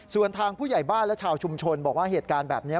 ส่วนทางผู้ใหญ่บ้านและชาวชุมชนบอกว่าเหตุการณ์แบบนี้